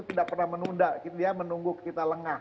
tidak pernah menunda dia menunggu kita lengah